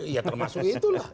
ya termasuk itulah